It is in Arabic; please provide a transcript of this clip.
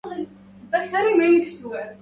ذهب توم وماري إلى الشاطئ.